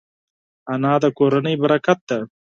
انا د کورنۍ برکت ده